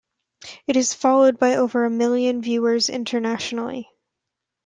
It is followed by over a million viewers internationally.